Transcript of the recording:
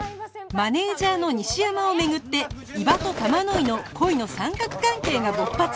マネージャーの西山を巡って伊庭と玉乃井の恋の三角関係が勃発